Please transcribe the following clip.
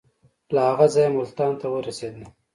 له هغه ځایه ملتان ته ورسېدی.